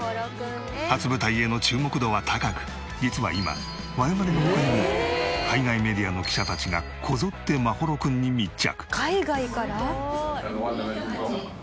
初舞台への注目度は高く実は今我々の他にも海外メディアの記者たちがこぞって眞秀君に密着。